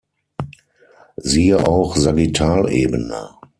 Siehe auch Sagittalebene.